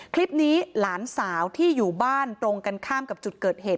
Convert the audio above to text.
คลิปนี้หลานสาวที่อยู่บ้านตรงกันข้ามกับจุดเกิดเหตุ